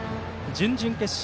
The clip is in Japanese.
準々決勝